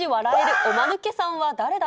おまぬけさんは誰だ？